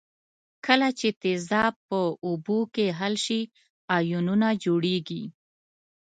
کله چې تیزاب په اوبو کې حل شي آیونونه جوړیږي.